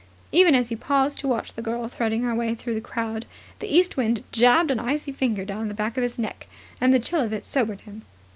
Even as he paused to watch the girl threading her way through the crowd, the east wind jabbed an icy finger down the back of his neck, and the chill of it sobered him.